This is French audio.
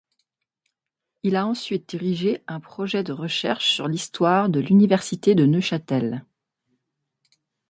Il a ensuite dirigé un projet de recherche sur l'histoire de l'université de Neuchâtel.